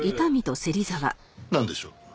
なんでしょう？